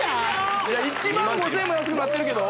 １万５０００円も安くなってるけど！？